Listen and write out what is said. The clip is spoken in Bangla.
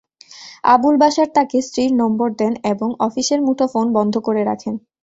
আবুল বাশার তাকে স্ত্রীর নম্বর দেন এবং অফিসের মুঠোফোন বন্ধ করে রাখেন।